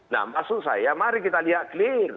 nah maksud saya mari kita lihat clear